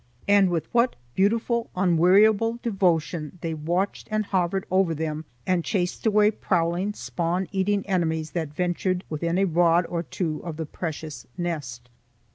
And with what beautiful, unweariable devotion they watched and hovered over them and chased away prowling spawn eating enemies that ventured within a rod or two of the precious nest!